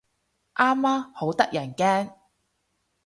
啱啊，好得人驚